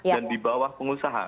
dan di bawah pengusaha